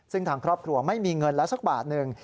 ซึ่งทางครอบครัวไม่มีเงินแล้วสักบาทหนึ่ง